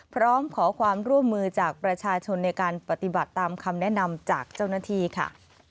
พร้อมขอความร่วมมือจากประชาชนในการปฏิบัติตามคำแนะนำจากเจ้าหน้าที่ค่ะ